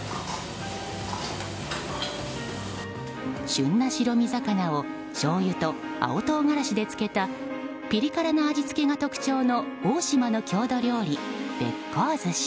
旬な白身魚をしょうゆと青唐辛子で漬けたピリ辛な味付けが特徴の大島の郷土料理、べっこう寿司。